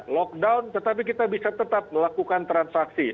lockdown tetapi kita bisa tetap melakukan transaksi